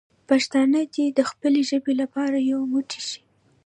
پښتانه دې د خپلې ژبې لپاره یو موټی شي.